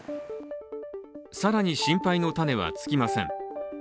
更に心配の種は尽きません。